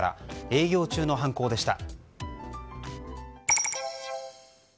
営業中の犯行でした。